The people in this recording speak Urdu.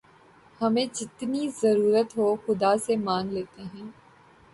ہمیں جتنی ضرورت ہو خدا سے مانگ لیتے ہیں